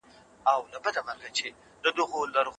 د زړه بدو غوښتنو ته اجازه نه ورکول کېږي.